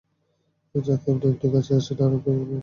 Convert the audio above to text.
যাতে আপনি একটু কাছে আসেন, আর আপনাকে ভালোমতো দেখতে পারি।